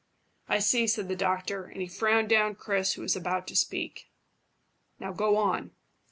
"I see," said the doctor, and he frowned down Chris, who was about to speak. "Now go on."